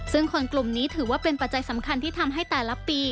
ซึ่งคนกลุ่มนี้ถือว่าเป็นปัจจัยสำคัญที่ทำให้แต่ละปี